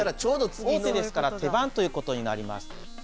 王手ですから手番ということになります。